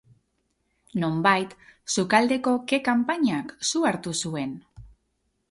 Nonbait, sukaldeko ke-kanpainak su hartu zuen.